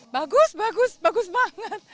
bagus bagus bagus banget